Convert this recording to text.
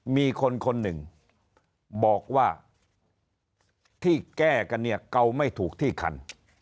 มีคนคนหนึ่งบอกว่าที่แก้กันเนี่ยเกาไม่ถูกที่คัน